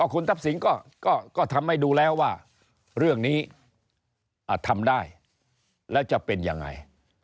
คุณทักษิณก็ทำให้ดูแล้วว่าเรื่องนี้ทำได้แล้วจะเป็นยังไง